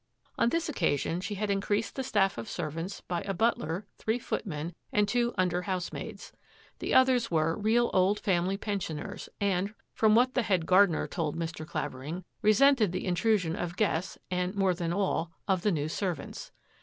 On this occasion she had increased the st^ servants by a butler, three footmen, and two i:^ housemaids. The others were real old fe pensioners and, from what the head gardener Mr. Clavering, resented the intrusion of guests more than all, of the new servants.